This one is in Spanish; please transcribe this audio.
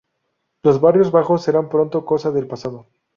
Los barrios bajos serán pronto cosa del pasado.